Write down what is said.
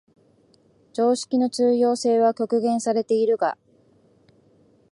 常識の通用性は局限されているが、